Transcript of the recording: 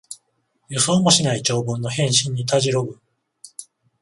予想もしない長文の返信にたじろぐ